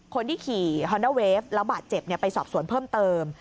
คนที่ขี่ฮอนด้าเวฟแล้วบาดเจ็บไปสอบสวนเพิ่มเติม